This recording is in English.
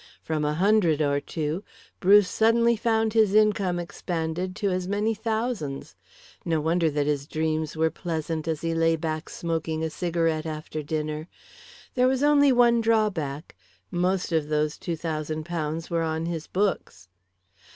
From a hundred or two, Bruce suddenly found his income expanded to as many thousands. No wonder that his dreams were pleasant as he lay back smoking a cigarette after dinner. There was only one drawback most of those two thousand pounds were on his books.